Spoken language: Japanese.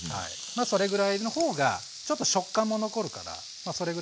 それぐらいの方がちょっと食感も残るからそれぐらいでいいです。